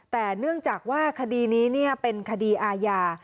แต่เนื่องจากว่าคดีนี้เป็นคดีอาญา